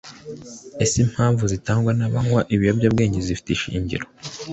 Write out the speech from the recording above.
Ese impamvu zitangwa n’abanywa ibiyobyabwenge zifite ishingiro?